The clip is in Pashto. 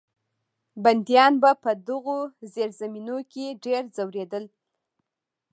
بندیان به په دغو زیرزمینیو کې ډېر ځورېدل.